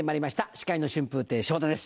司会の春風亭昇太です。